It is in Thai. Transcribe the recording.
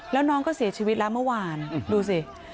แล้วน้องก็เสียชีวิตแล้วเมื่อวานดูสิ